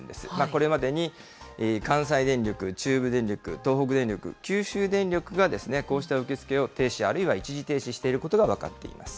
これまでに関西電力、中部電力、東北電力、九州電力が、こうした受け付けを停止、あるいは一時停止していることが分かっています。